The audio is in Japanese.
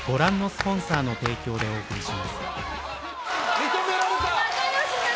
認められた！